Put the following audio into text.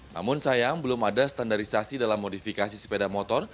namun sayang belum ada standarisasi dalam modifikasi sepeda motor